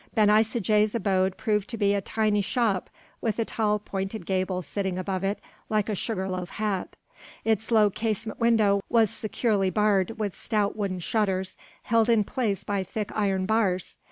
Ben Isaje's abode proved to be a tiny shop with a tall pointed gable sitting above it like a sugar loaf hat. Its low casement window was securely barred with stout wooden shutters, held in place by thick iron bars.